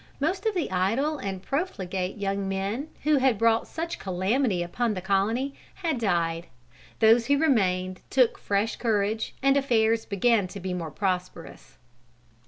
Most of the idle and profligate young men who had brought such calamity upon the colony, had died. Those who remained took fresh courage, and affairs began to be more prosperous.